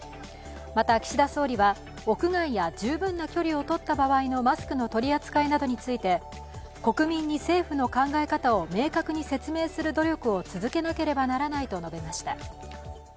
また、岸田総理は屋外や十分な距離をとった場合のマスクの取り扱いなどについて国民に政府の考え方を明確に説明する努力を続けなければならないと述べました。